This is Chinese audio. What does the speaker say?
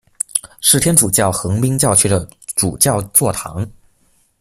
是天主教横滨教区的主教座堂。